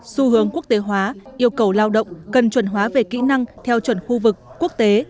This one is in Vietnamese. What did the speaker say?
xu hướng quốc tế hóa yêu cầu lao động cần chuẩn hóa về kỹ năng theo chuẩn khu vực quốc tế